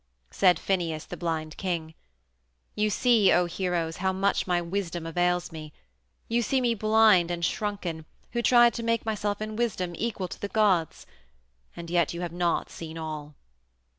Said Phineus, the blind king: "You see, O heroes, how much my wisdom avails me. You see me blind and shrunken, who tried to make myself in wisdom equal to the gods. And yet you have not seen all.